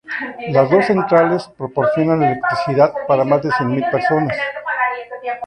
Las dos centrales proporcionan electricidad para más de cien mil personas.